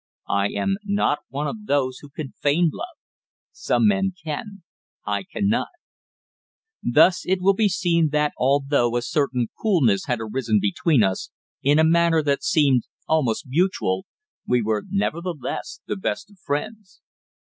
I am not one of those who can feign love. Some men can; I cannot. Thus it will be seen that although a certain coolness had arisen between us, in a manner that seemed almost mutual, we were nevertheless the best of friends.